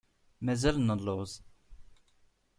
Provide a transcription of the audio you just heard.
Mazal nelluẓ.